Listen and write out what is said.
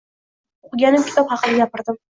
Oʻqiganim kitob haqida gapirdim